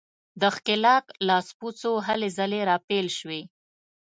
د ښکېلاک لاسپوڅو هلې ځلې راپیل شوې.